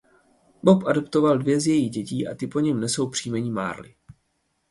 Bob adoptoval dvě z jejích dětí a ty po něm nesou příjmení Marley.